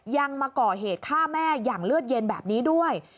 ยังมาก่อเหตุฆ่าแม่อย่างเลือดเย็นแบบนี้ด้วย